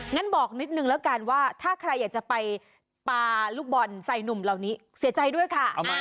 งั้นบอกนิดนึงแล้วกันว่าถ้าใครอยากจะไปปลาลูกบอลใส่หนุ่มเหล่านี้เสียใจด้วยค่ะ